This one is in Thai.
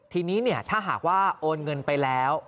ทีนี้ถ้าหากว่าโอนเงินไปแล้ว